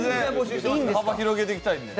幅広げていきたいんで。